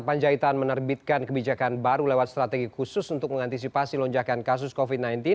panjaitan menerbitkan kebijakan baru lewat strategi khusus untuk mengantisipasi lonjakan kasus covid sembilan belas